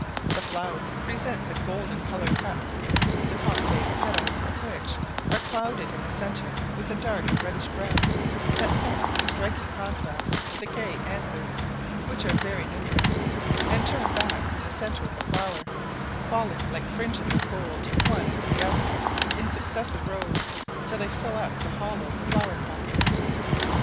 The flower presents a deep golden coloured cup, the concave petals of which are clouded in the centre with a dark reddish brown, that forms a striking contrast to the gay anthers, which are very numerous, and turn back from the centre of the flower, falling like fringes of gold one over the other, in successive rows, till they fill up the hollow flower cup.